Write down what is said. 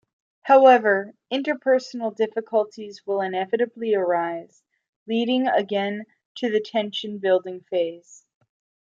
However, interpersonal difficulties will inevitably arise, leading again to the tension building phase.